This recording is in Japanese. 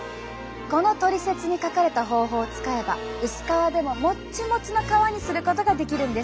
このトリセツに書かれた方法を使えば薄皮でももっちもちの皮にすることができるんです。